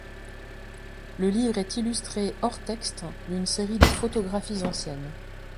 Le livre est illustré hors-texte d'une série de photographies anciennes.